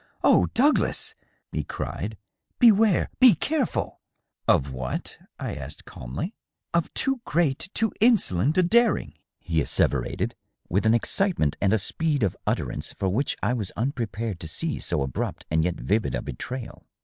" Oh, Douglas I" e cried ;" beware ! be careful !" "Of what?*' I asked calmly. " Of too great, too insolent a daring," he asseverated, with an excite ment and a speed of utterance for which I was unprepared to see so abrupt and yet vivid a betrayal.